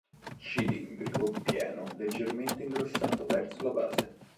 Cilindrico, pieno, leggermente ingrossato verso la base.